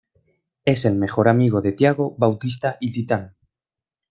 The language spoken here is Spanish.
Es el mejor amigo de Tiago, Bautista y Titán.